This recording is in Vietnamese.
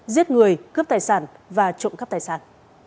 giết người cướp tài sản và trộm cắp tài sản